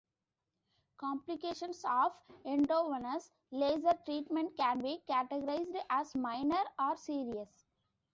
Complications of endovenous laser treatment can be categorized as minor, or serious.